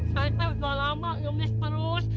saya tahu sudah lama kau mis terus